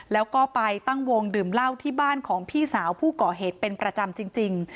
แล้วก็ไปตั้งวงดื่มเหล้าที่บ้านของพี่สาวผู้ก่อเหตุเป็นประจำจริง